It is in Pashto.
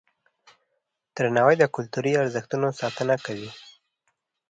درناوی د کلتوري ارزښتونو ساتنه کوي.